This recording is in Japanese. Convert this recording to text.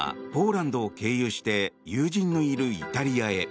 姉妹はポーランドを経由して友人のいるイタリアへ。